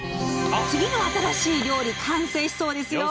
次の新しい料理が完成しそうですよ。